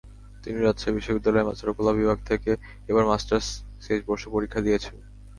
তিনি রাজশাহী বিশ্ববিদ্যালয়ের চারুকলা বিভাগ থেকে এবার মাস্টার্স শেষ বর্ষ পরীক্ষা দিয়েছেন।